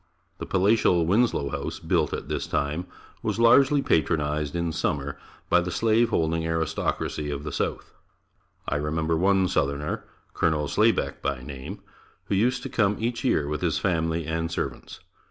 The palatial Winslow house built at this time was largely patronized in summer by the slave holding aristocracy of the South. I remember one southerner, Colonel Slaybeck, by name, who used to come each year with his family and servants.